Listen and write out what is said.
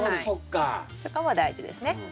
そこも大事ですね。